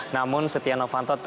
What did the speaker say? namun setia novanto terdakwa